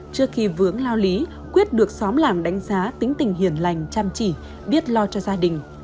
trước khi vướng lao lý quyết được xóm làng đánh giá tính tình hiền lành chăm chỉ biết lo cho gia đình